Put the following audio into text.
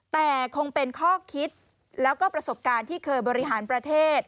แต่คงเป็นข้อคิดแล้วก็ประสบการณ์ที่เคยบริหารประเทศ